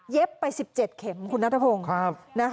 ไป๑๗เข็มคุณนัทพงศ์